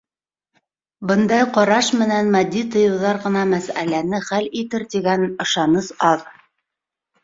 Бындай ҡараш менән матди тыйыуҙар ғына мәсьәләне хәл итер тигән ышаныс аҙ.